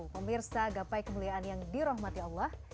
pemirsa gapai kemuliaan yang dirahmati allah